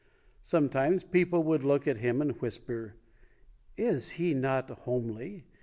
Sometimes people would look at him and whisper, "Is he not homely?